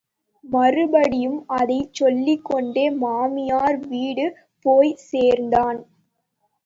மறுபடியும் அதைச் சொல்லிக் கொண்டே மாமியார் வீடு போய்ச்சேர்ந்தான்.